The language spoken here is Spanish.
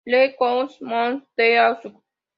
Le Coudray-Montceaux